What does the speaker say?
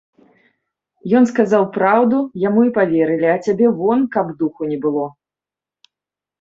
Ён сказаў праўду, яму і паверылі, а цябе вон, каб духу не было.